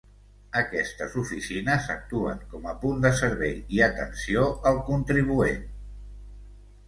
Aquestes oficines actuen com a punt de servei i atenció al contribuent.